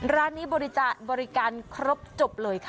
ร้านนี้บริการครบจบเลยค่ะ